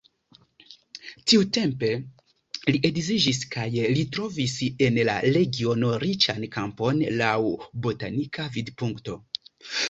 Tiutempe li edziĝis kaj li trovis en la regiono riĉan kampon laŭ botanika vidpunkto.